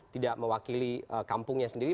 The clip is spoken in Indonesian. tidak mewakili kampungnya sendiri